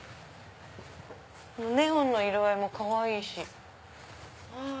ネオンの色合いもかわいい。